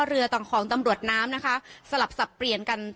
เรือต่างของตำรวจน้ำนะคะสลับสับเปลี่ยนกัน